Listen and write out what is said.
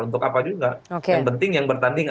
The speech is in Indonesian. untuk apa juga yang penting yang bertanding